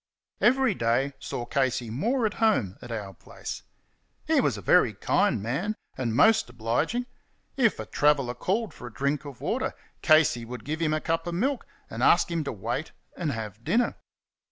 Every day saw Casey more at home at our place. He was a very kind man, and most obliging. If a traveller called for a drink of water, Casey would give him a cup of milk and ask him to wait and have dinner.